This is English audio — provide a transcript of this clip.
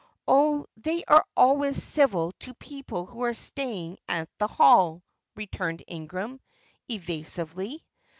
"Oh, they are always civil to people who are staying at the Hall," returned Ingram, evasively.